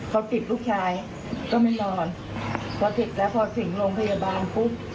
เขาติดลูกชายก็ไม่นอนพอเสร็จแล้วพอถึงโรงพยาบาลปุ๊บ